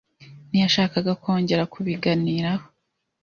Ntiyashakaga kongera kubiganiraho.